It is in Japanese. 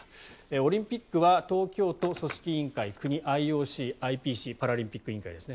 オリンピックは東京都組織委員会、国、ＩＯＣＩＰＣパラリンピック委員会ですね